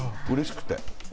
うれしくて。